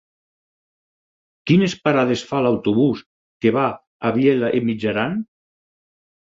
Quines parades fa l'autobús que va a Vielha e Mijaran?